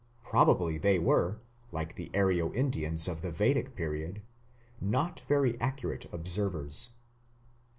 Probably they were, like the Aryo Indians of the Vedic period, "not very accurate observers".